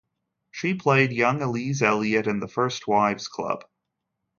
She played "young Elise Eliot" in "The First Wives Club".